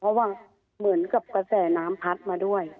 เพราะว่าเหมือนกับกระแสน้ำพัดมาด้วย